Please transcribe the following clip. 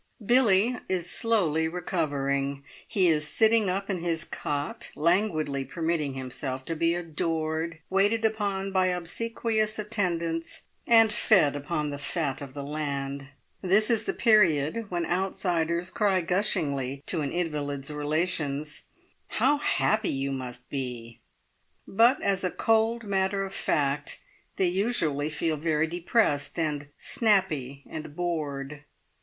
Billie is slowly recovering. He is sitting up in his cot, languidly permitting himself to be adored, waited upon by obsequious attendants, and fed upon the fat of the land. This is the period when outsiders cry gushingly to an invalid's relations, "How happy you must be!" But as a cold matter of fact they usually feel very depressed and snappy and bored.